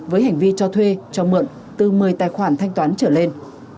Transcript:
với hành vi cho thuê cho mượn từ một mươi tài khoản thanh toán trở lên